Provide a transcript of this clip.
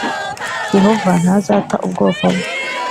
Yehova ntazata ubwoko bwe